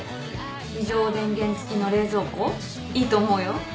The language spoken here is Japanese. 非常電源付きの冷蔵庫いいと思うよ。